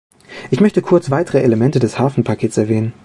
Ich möchte kurz weitere Elemente des Hafenpakets erwähnen.